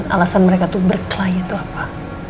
alasan mereka tuh berkelah itu apa